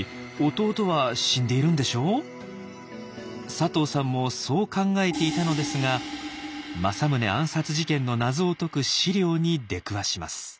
佐藤さんもそう考えていたのですが政宗暗殺事件の謎を解く資料に出くわします。